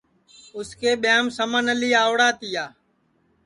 اُس کے ٻیاںٚم سمن اعلی آوڑا تیا